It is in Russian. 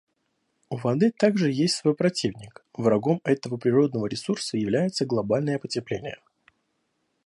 У воды также есть свой противник; врагом этого природного ресурса является глобальное потепление.